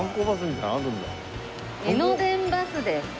江ノ電バスです。